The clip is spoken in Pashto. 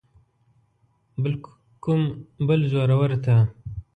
بل کوم بل زورور ته.